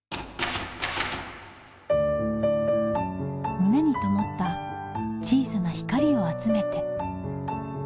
胸にともった小さな光を集めて。